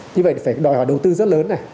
như vậy phải đòi hỏi đầu tư rất lớn này